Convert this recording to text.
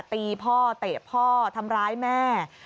ตีพ่อเตะพ่อทำร้ายแม่